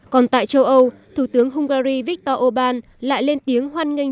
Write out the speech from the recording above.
còn tại châu âu thủ tướng hungary viktor orbán lại lên tiếng hoan nghênh